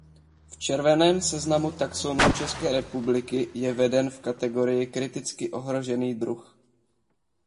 V červeném seznamu taxonů České republiky je veden v kategorii kriticky ohrožený druh.